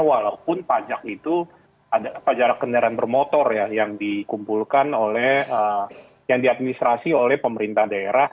walaupun pajak itu adalah pajak kendaraan bermotor ya yang dikumpulkan oleh yang diadministrasi oleh pemerintah daerah